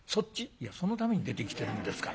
「いやそのために出てきてるんですから」。